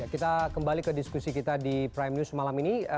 kita kembali ke diskusi kita di prime news malam ini